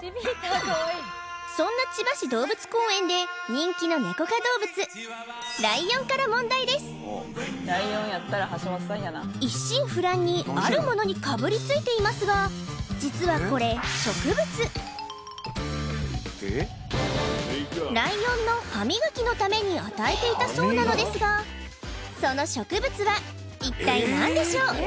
そんな千葉市動物公園でから問題です一心不乱にあるものにかぶりついていますが実はこれ植物ライオンの歯磨きのために与えていたそうなのですがその植物は一体何でしょう？